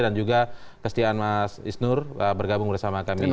dan juga kesediaan mas isnur bergabung bersama kami